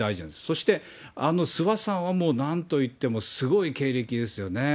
そして、諏訪さんはもうなんといってもすごい経歴ですよね。